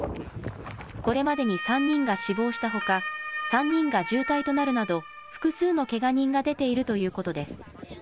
これまでに３人が死亡したほか３人が重体となるなど複数のけが人が出ているということです。